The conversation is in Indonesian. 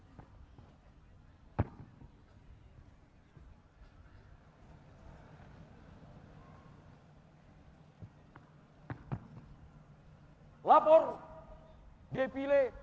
laporan komandan defile